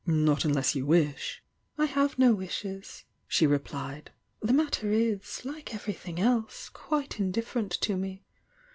"Not unless you wish." "I have no wishes," dio replied. "The matter is, like everything else, quite indifferent to me.